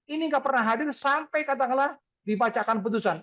ini tidak pernah hadir sampai katakanlah dipacakan keputusan